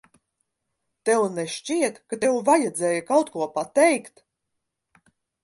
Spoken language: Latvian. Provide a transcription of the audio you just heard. Tev nešķiet, ka tev vajadzēja kaut ko pateikt?